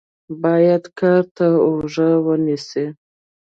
بايد کار ته دې اوږه ونيسې.